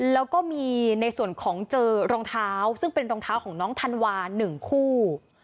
แล้วก็มีในส่วนของเจอรองเท้าซึ่งเป็นรองเท้าของน้องธันวา๑คู่